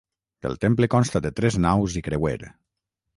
El temple consta de tres naus i creuer.